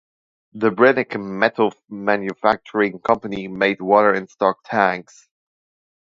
The Brennecke Metal Manufacturing Company made water and stock tanks.